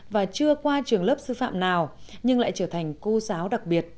và chưa qua trường lớp sư phạm nào nhưng lại trở thành cô giáo đặc biệt